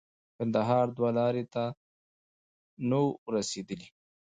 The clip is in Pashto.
کندهار دوه لارې ته نه وو رسېدلي.